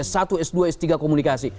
satu s dua s tiga komunikasi